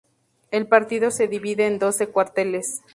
El partido se divide en doce cuarteles.